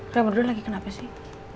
kalau berdua lagi kenapa sih